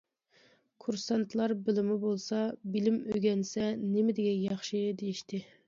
كۇرسانتلار‹‹ بىلىمى بولسا، بىلىم ئۆگەنسە نېمە دېگەن ياخشى›› دېيىشتى.